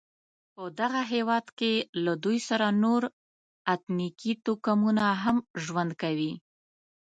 په دغه هېواد کې له دوی سره نور اتنیکي توکمونه هم ژوند کوي.